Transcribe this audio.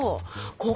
ここ？